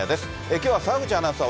きょうは澤口アナウンサー